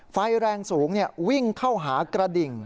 ไฟแรงสูงวิ่งเข้าหากระดิ่ง